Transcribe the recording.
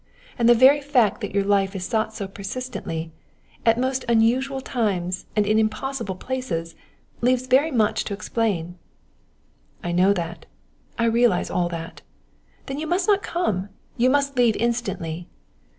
And the very fact that your life is sought so persistently at most unusual times and in impossible places, leaves very much to explain." "I know that! I realize all that!" "Then you must not come! You must leave instantly."